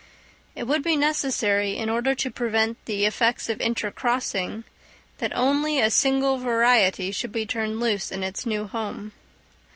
It would be necessary, in order to prevent the effects of intercrossing, that only a single variety should be turned loose in its new home.